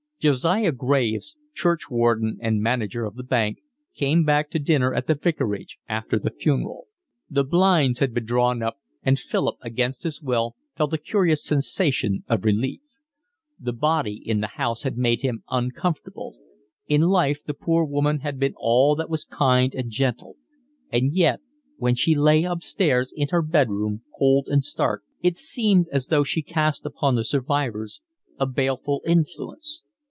Josiah Graves, churchwarden and manager of the bank, came back to dinner at the vicarage after the funeral. The blinds had been drawn up, and Philip, against his will, felt a curious sensation of relief. The body in the house had made him uncomfortable: in life the poor woman had been all that was kind and gentle; and yet, when she lay upstairs in her bed room, cold and stark, it seemed as though she cast upon the survivors a baleful influence.